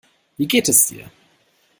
Wie geht es dir?